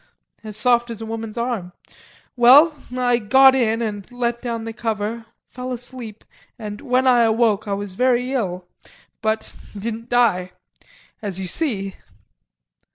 As soft as a woman's arm. Well, I got in and let down the cover, fell asleep, and when I awoke I was very ill, but didn't die as you see.